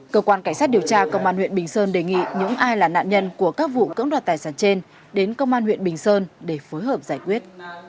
cơ quan cảnh sát điều tra công an huyện bình sơn đề nghị những ai là nạn nhân của các vụ cưỡng đoạt tài sản trên đến công an huyện bình sơn để phối hợp giải quyết